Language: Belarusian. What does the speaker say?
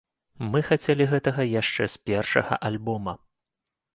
Мы хацелі гэтага яшчэ з першага альбома.